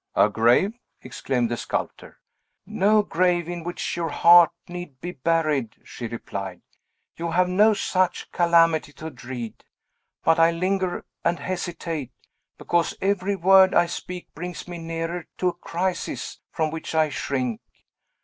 "A grave!" exclaimed the sculptor. "No grave in which your heart need be buried," she replied; "you have no such calamity to dread. But I linger and hesitate, because every word I speak brings me nearer to a crisis from which I shrink.